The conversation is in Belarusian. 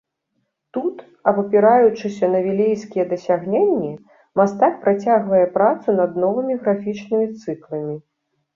Тут, абапіраючыся на вілейскія дасягненні, мастак працягвае працу над новымі графічнымі цыкламі.